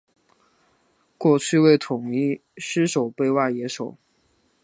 过去为统一狮守备外野手。